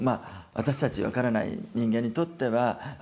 私たち分からない人間にとってはあ